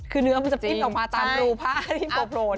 คือเนื้อมันจะปิดออกมาตามรูผ้าที่โปรโปรเนี่ย